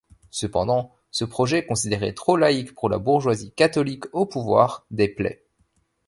Cependant, ce projet considéré trop laïque pour la bourgeoisie catholique au pouvoir, déplait.